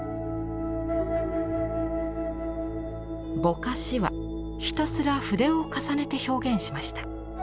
ぼかしはひたすら筆を重ねて表現しました。